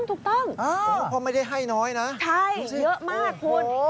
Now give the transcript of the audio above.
ถูกต้องพอไม่ได้ให้น้อยนะดูสิโอ้โฮใช่เยอะมากคุณ